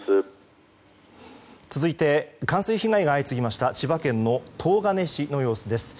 続いて冠水被害が相次ぎました千葉県の東金市の様子です。